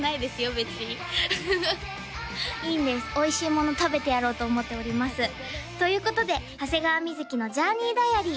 別にいいんですおいしいもの食べてやろうと思っておりますということで長谷川瑞のＪｏｕｒｎｅｙＤｉａｒｙ